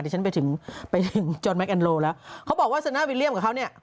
ดิฉันไปถึงไปถึงจอร์นแมคแอนโลแล้วเขาบอกว่าสนามีเลี้ยงกับเขาเนี่ย